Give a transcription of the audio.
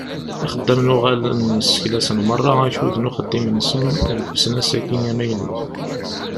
Ixeddamen uɣalen seklasen meṛṛa akud n uxeddim-nsen deg usnas-agi amaynut.